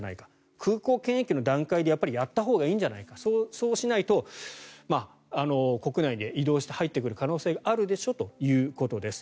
空港検疫の段階でやっぱりやったほうがいいんじゃないかそうしないと、国内で移動して入ってくる可能性があるでしょということです。